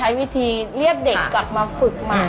การที่บูชาเทพสามองค์มันทำให้ร้านประสบความสำเร็จ